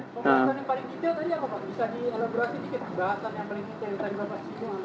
komunikasi yang paling detail tadi apa pak bisa dielaborasi dikit